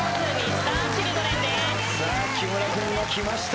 さあ木村君がきました。